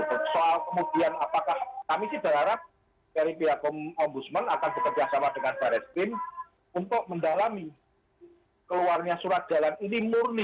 soal kemudian apakah kami sih berharap dari pihak ombudsman akan bekerjasama dengan baris krim untuk mendalami keluarnya surat jalan ini murni